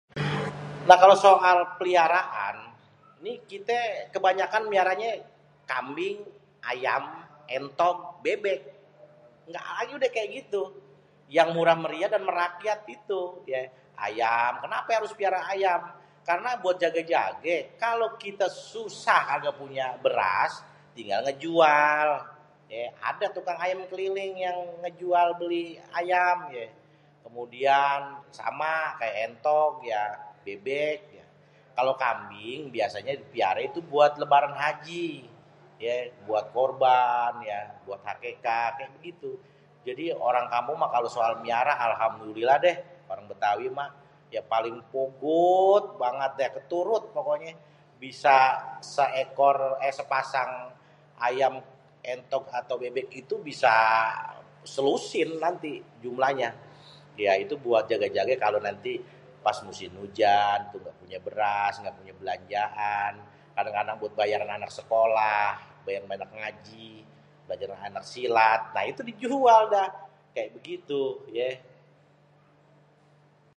Lah kalo soal peliharaan ni kité kebanyakan meliaranyé kambing, ayam, entog, bebek. engga lagi udah kaya gitu yang murah meriah dan merakyat gitu yé, ayam. kenapé harus melihara ayam? Karena buat jagé-jagé kalau kité susah kaga punya beras tinggal ngéjual, yé adé tukang ayam keliling yang ngéjual beli ayam yé. Kemudian, sama kaya entog, ya bebek ya. Kalo kambing biasanya dipeliaré buat lebaran haji yé buat qurban ya buat akéqah kek begitu. Jadi ya orang kampung kalo soal meliara ya alhamdulillah déh orang bêtawi mah ya paling pugut, turut banget pokoknyé bisa sepasang ayam, éntog, atau bebek itu bisa selusin nanti jumlahnya. Ya itu buat jaga-jaga kalo nanti pas musim ujan engga punya beras, engga punya belanjaan kadang-kadang buat bayaran anak sekolah yang pada ngaji, belajar anak silat, lah itu dijual dah, kaya begitu yéé.